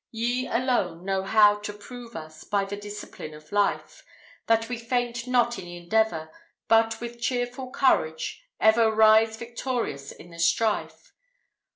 Ye alone know how to prove us By the discipline of life That we faint not in endeavor, But with cheerful courage ever Rise victorious in the strife.